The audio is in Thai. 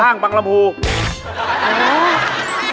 ถ้างปรังนามภูกิ